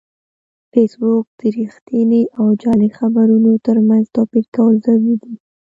فېسبوک د رښتینې او جعلي خبرونو ترمنځ توپیر کول ضروري دي